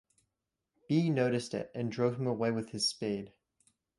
B noticed it and drove him away with his spade.